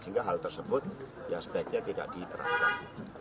sehingga hal tersebut ya sebaiknya tidak diterapkan